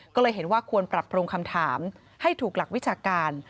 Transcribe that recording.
ก็เลยเห็นว่าควรปรับปรุงคำถามให้ถูกหลักวิชาการ